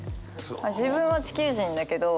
自分は地球人だけどまあ